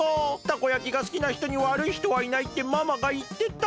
たこ焼きがすきなひとにわるいひとはいないってママがいってた。